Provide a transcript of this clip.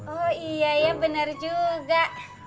oh iya ya bener juga